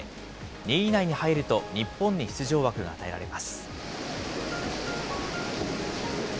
２位以内に入ると日本に出場枠が与えられます。